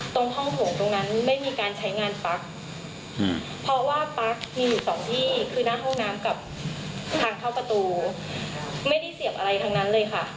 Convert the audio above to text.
ทางเข้าประตูไม่ได้เสียบอะไรทั้งนั้นเลยค่ะ